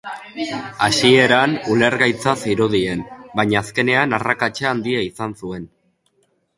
Hasieran, ulergaitza zirudien, baina azkenean arrakasta handia izan zuen.